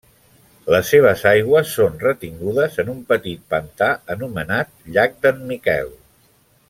Les seves aigües són retingudes en un petit pantà anomenat llac d'en Miquel.